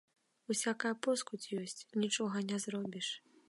Усякая поскудзь ёсць, нічога не зробіш.